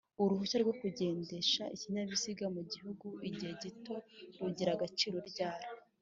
Uruhushya rwo kugendesha ikinyabiziga mugihugu igihe gito rugira agaciro ryari